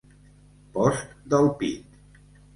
Post del pit.